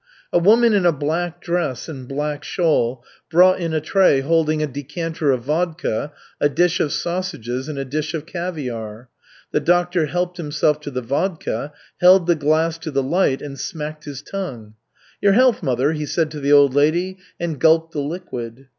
A woman in a black dress and black shawl brought in a tray holding a decanter of vodka, a dish of sausages and a dish of caviar. The doctor helped himself to the vodka, held the glass to the light and smacked his tongue. "Your health, mother," he said to the old lady, and gulped the liquid.